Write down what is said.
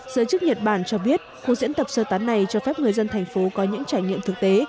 giới chức nhật bản cho biết khu diễn tập sơ tán này cho phép người dân thành phố có những trải nghiệm thực tế